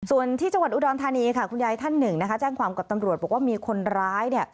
ส่วนที่จังหวัดอุดรธานีค่ะคุณยายท่านหนึ่งนะคะแจ้งความกับตำรวจบอกว่ามีคนร้าย